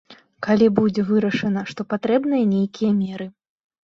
Калі будзе вырашана, што патрэбныя нейкія меры.